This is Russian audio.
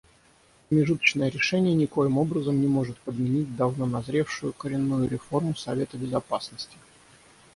Промежуточное решение никоим образом не может подменить давно назревшую коренную реформу Совета Безопасности.